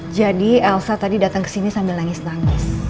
jadi elsa tadi datang ke sini sambil nangis nangis